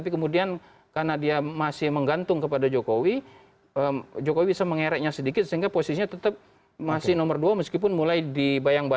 kemudian yang kedua selalu ada partai baru